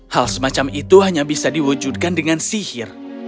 hal semacam itu hanya bisa diwujudkan dengan sihir